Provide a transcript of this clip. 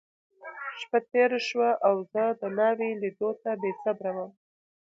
شپه تېره شوه، او زه د ناوې لیدو ته بېصبره وم.